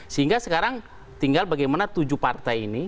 sehingga sekarang tinggal bagaimana tujuh partai ini